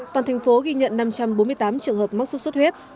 toàn thành phố ghi nhận năm trăm bốn mươi tám trường hợp mắc sốt xuất huyết